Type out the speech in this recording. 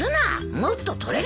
もっと取れるぞ！